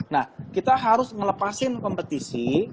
nah kita harus melepaskan kompetisi